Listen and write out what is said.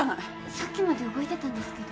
さっきまで動いてたんですけど。